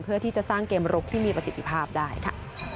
เพื่อที่จะสร้างเกมลุกที่มีประสิทธิภาพได้ค่ะ